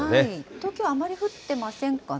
東京、あまり降ってませんかね？